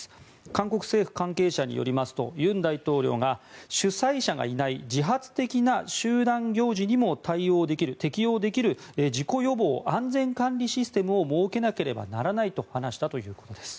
韓国政府関係者によりますと尹大統領が主催者がいない自発的な集団行事にも適用できる事故予防安全管理システムを設けなければならないと話したということです。